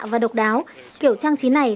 và độc đáo kiểu trang trí này